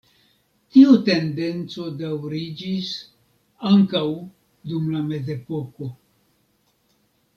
Tiu tendenco daŭriĝis ankaŭ dum la mezepoko.